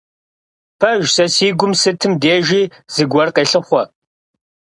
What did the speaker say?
Пэжщ, сэ си гум сытым дежи зыгуэр къелъыхъуэ!